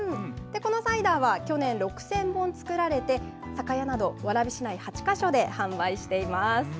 このサイダーは、去年６０００本作られて、酒屋など蕨市内８か所で販売しています。